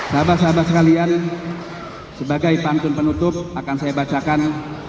sahabat sahabat sekalian sebagai pantun penutup akan saya bacakan